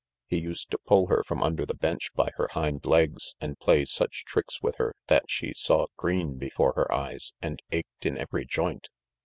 ... He used to pull her from under the bench by her hind legs, and play such tricks with her, that she saw green before her eyes, and ached in every joint.